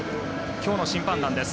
今日の審判団です。